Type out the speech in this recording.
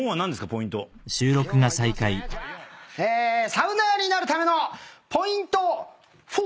サウナーになるためのポイントフォ。